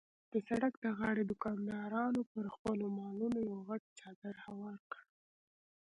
د سړک د غاړې دوکاندارانو به پر خپلو مالونو یو غټ څادر هوار کړ.